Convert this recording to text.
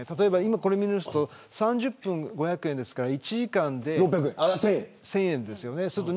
これを見ると３０分５００円ですから１時間で１０００円ですよね。